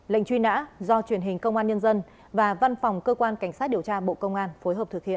lệnh truy nã do truyền hình công an nhân dân và văn phòng cơ quan cảnh sát điều tra bộ công an phối hợp thực hiện